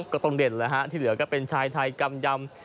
ก็ต้องเด่นแล้วฮะที่เหลือก็เป็นชายไทยกำยำ